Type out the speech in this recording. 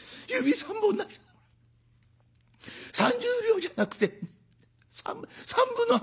３０両じゃなくて３分３分の話？」。